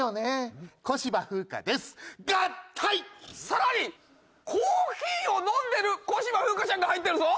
更に「コーヒーを飲んでる小芝風花ちゃん」が入ってるぞ！